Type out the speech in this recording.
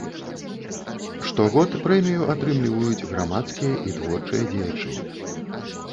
Штогод прэмію атрымліваюць грамадскія і творчыя дзеячы.